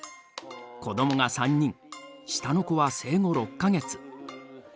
子どもが３人下の子は生後６か月。